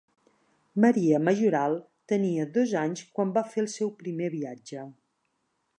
Maria Majoral tenia dos anys quan va fer el seu primer viatge.